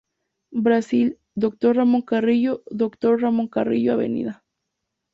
Brasil; Dr. Ramón Carrillo; Dr. Ramón Carrillo; Av.